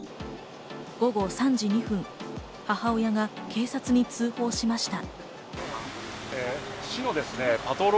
午後３時２分、母親が警察に通報しました。